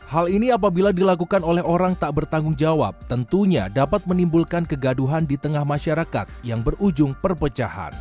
hal ini apabila dilakukan oleh orang tak bertanggung jawab tentunya dapat menimbulkan kegaduhan di tengah masyarakat yang berujung perpecahan